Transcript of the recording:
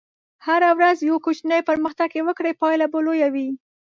هره ورځ یو کوچنی پرمختګ که وکړې، پایله به لویه وي.